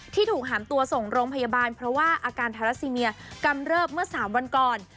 ที่ถูกหามตัวส่งโรงพยาบาลเพราะว่าอาการทาราซิเมียกำเริบเมื่อ๓วันก่อน